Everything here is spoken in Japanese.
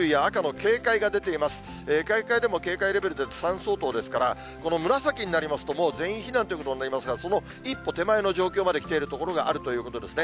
警戒でも警戒レベルで３相当ですから、この紫になりますと、もう全員避難ということになりますから、その一歩手前の状況まできている所があるということですね。